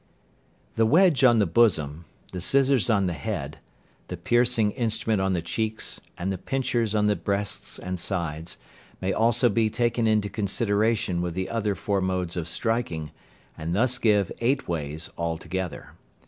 The wedge on the bosom, the scissors on the head, the piercing instrument on the cheeks, and the pinchers on the breasts and sides, may also be taken into consideration with the other four modes of striking, and thus give eight ways altogether.